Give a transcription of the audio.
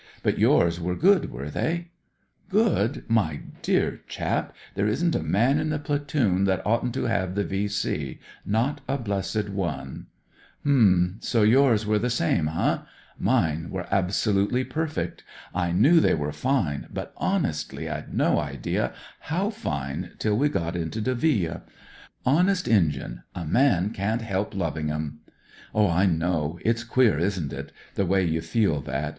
But yours were good, were they ?"" Good 1 my dear chap, there isn't a man in the platoon that oughtn't to have the V.C. ; not a blessed one." *' H'm I So yours were the same, eh ? BROTHERS OF THE PARSONAGE 129 Mine were absolutely perfect. I knew they were fine, but honestly I'd no idea how fine till we got into Delville. Honest Injim, a man ^;an't help loving 'em." " I know. It's queer, isn't it ? the way you feel that.